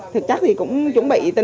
thực chắc thì cũng chuẩn bị